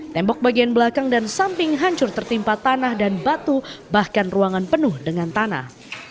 tembok bagian belakang dan samping hancur tertimpa tanah dan batu bahkan ruangan penuh dengan tanah